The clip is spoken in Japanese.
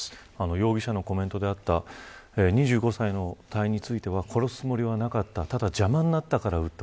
容疑者のコメントであった２５歳の隊員については、殺すつもりはなかったただ邪魔になったから撃った。